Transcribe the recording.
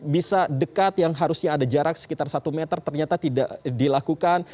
bisa dekat yang harusnya ada jarak sekitar satu meter ternyata tidak dilakukan